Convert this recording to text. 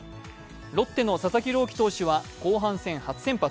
ロッテの佐々木朗希投手は後半戦初先発。